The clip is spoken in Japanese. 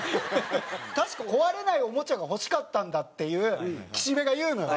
確か「壊れないおもちゃが欲しかったんだ」っていう岸辺が言うのよ。